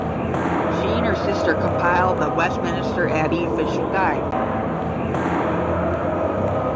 She and her sister compiled the "Westminster Abbey Official Guide".